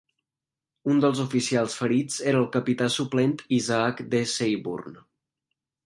Un dels oficials ferits era el capità suplent Isaac D. Seyburn.